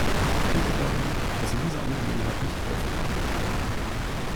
Ich denke daher, dass in dieser Angelegenheit nicht fair verfahren wird.